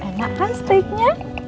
enak kan steaknya